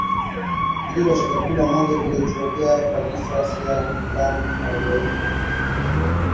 Kijiko cha chakula moja kilichojaa kabisa siagi gram arobaini